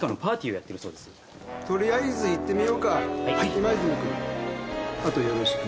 今泉君後をよろしく。